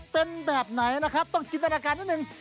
เป็นแบบไหนนะครับต้องจินตนาการนิดนึง